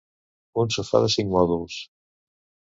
Un sofà de cinc mòduls.